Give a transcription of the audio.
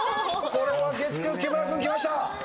これは月９木村君きました！